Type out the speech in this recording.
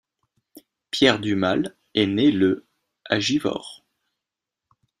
Pierre Dumalle est né le à Givors.